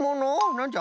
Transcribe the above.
なんじゃ？